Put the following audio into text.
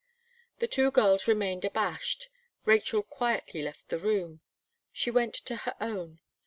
The two girls remained abashed. Rachel quietly left the room. She went to her own.